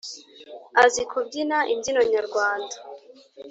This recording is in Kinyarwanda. azi kubyina imbyino nyarwanda